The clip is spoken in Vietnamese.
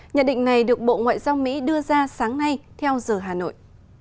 nhận định này được bộ ngoại giao mỹ đưa ra sáng nay theo giờ hà nội